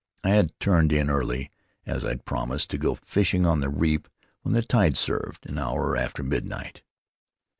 I had turned in early, as I'd promised to go fishing on the reef when the tide served, an hour after midnight.